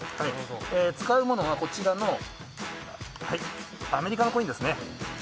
使うものはこちらのアメリカのコインですね。